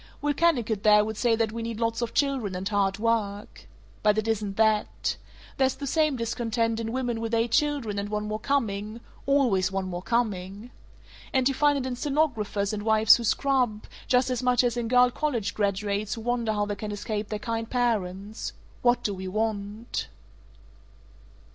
Will Kennicott there would say that we need lots of children and hard work. But it isn't that. There's the same discontent in women with eight children and one more coming always one more coming! And you find it in stenographers and wives who scrub, just as much as in girl college graduates who wonder how they can escape their kind parents. What do we want?"